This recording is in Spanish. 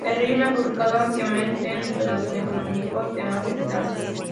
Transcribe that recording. El-Erian Ha publicado ampliamente en internacional económico y temas de finanza.